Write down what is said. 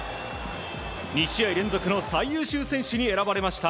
２試合連続の最優秀選手に選ばれました。